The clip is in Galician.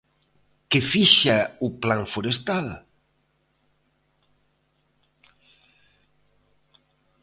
¿Que fixa o Plan forestal?